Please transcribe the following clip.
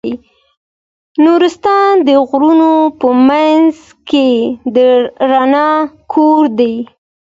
نورستان د غرونو په منځ کې د رڼا کور دی.